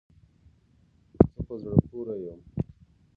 زه په زړه پوری یم